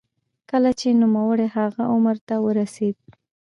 کله چې نوموړی هغه عمر ته ورسېد.